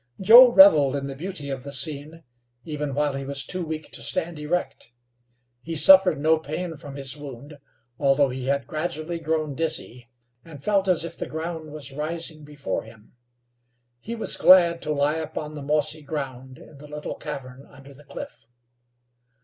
Joe reveled in the beauty of the scene, even while he was too weak to stand erect. He suffered no pain from his wound, although he had gradually grown dizzy, and felt as if the ground was rising before him. He was glad to lie upon the mossy ground in the little cavern under the cliff.